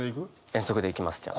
遠足でいきますじゃあ。